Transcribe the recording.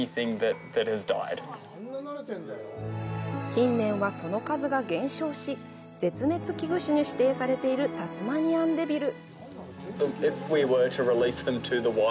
近年はその数が減少し絶滅危惧種に指定されているタスマニアンデビル。